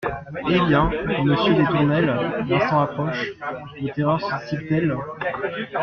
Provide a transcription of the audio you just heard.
Eh bien ! monsieur des Tournelles, l’instant approche ; vos terreurs se dissipent-elles ?